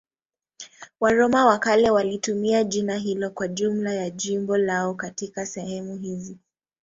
Waroma wa kale walitumia jina hilo kwa jumla ya jimbo lao katika sehemu hizi.